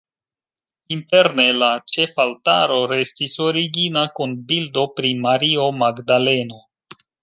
Interne la ĉefaltaro restis origina kun bildo pri Mario Magdaleno.